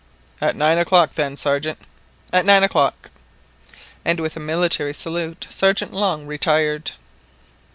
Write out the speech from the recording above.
"At nine o'clock then, Sergeant." "At nine o'clock." And with a military salute Sergeant Long retired.